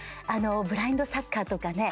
ブラインドサッカーとかね